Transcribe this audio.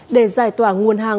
để giải tỏa nguồn hàng